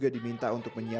anak anak buat mereka